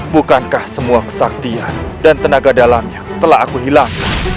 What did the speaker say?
bukankah semua kesaktian dan tenaga dalamnya telah aku hilang